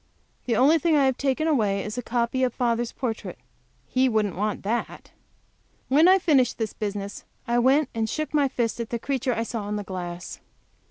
The only thing I have taken away is the copy of father's portrait. He won't want that! When I had finished this business I went and shook my fist at the creature I saw in the glass.